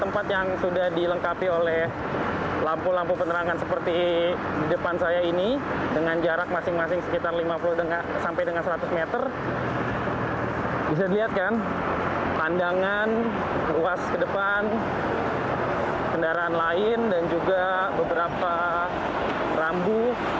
bisa dilihat kan pandangan ruas ke depan kendaraan lain dan juga beberapa rambu